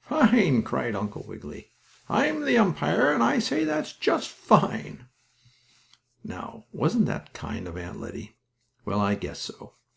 "Fine!" cried Uncle Wiggily. "I'm the umpire and I say that's just fine." Now, wasn't that kind of Aunt Lettie? Well, I guess so!